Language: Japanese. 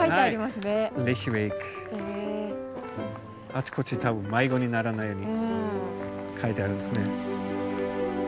あちこち迷子にならないように書いてあるんですね。